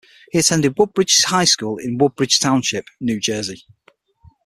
He attended Woodbridge High School in Woodbridge Township, New Jersey.